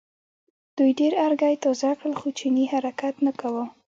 دوی ډېر ارګی تازه کړل خو چیني حرکت نه کاوه.